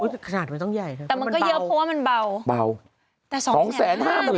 ฮะขนาดมันต้องใหญ่นะมันเบาแต่มันเยอะเพราะว่ามันเบา